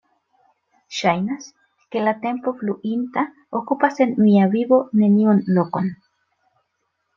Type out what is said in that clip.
Ŝajnas, ke la tempo fluinta okupas en mia vivo neniun lokon.